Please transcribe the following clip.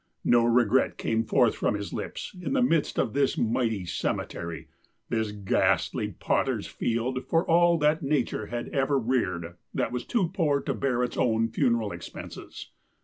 No regret came forth from his lips in the midst of this mighty cemetery, this ghastly potter's field for all that nature had ever reared that was too poor to bear its own funeral expenses.